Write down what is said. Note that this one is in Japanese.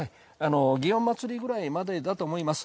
祇園祭までぐらいだと思います。